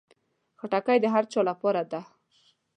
خټکی د هر چا لپاره ده.